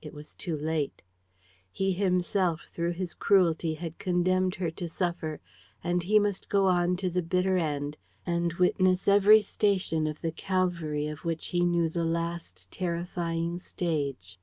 It was too late. He himself, through his cruelty, had condemned her to suffer; and he must go on to the bitter end and witness every station of the Calvary of which he knew the last, terrifying stage.